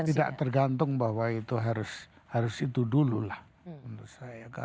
tidak tergantung bahwa itu harus itu dulu lah menurut saya